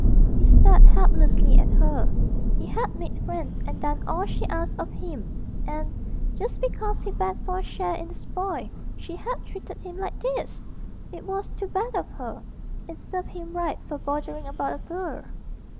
He stared helplessly at her; he had made friends and done all she asked of him, and, just because he begged for a share in the spoil, she had treated him like this! It was too bad of her it served him right for bothering about a girl.